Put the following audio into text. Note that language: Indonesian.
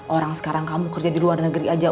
orang sekarang kamu kerja di luar negeri aja